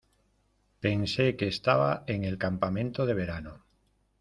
Pensé que estaba en el campamento de verano.